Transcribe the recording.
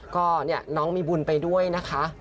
ก็เนี่ยน้องมีบุญไปด้วยนะคะ